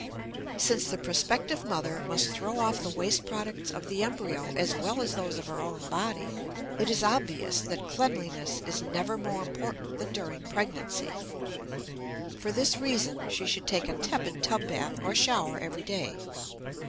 Since the prospective mother must throw off the waste products of the embryo as well as those of her own body, it is obvious that cleanliness is never more important than during pregnancy. For this reason she should take a tepid tub bath or shower every day.